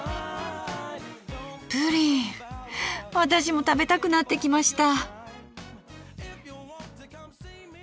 私も食べたくなってきました。